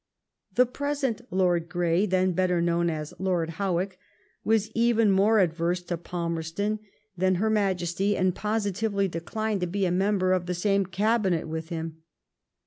The present Lord Grey, then better known as Lord Howick, was even more adverse to Palmerston than ABERDEEN AT THE FOREIGN OFFICE. 96 her Majesty, and positively decliDed to be a member of the same Cabinet with him.